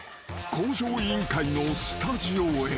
『向上委員会』のスタジオへ］